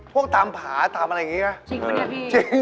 พวกตามผาตามอะไรอย่างนี้ไง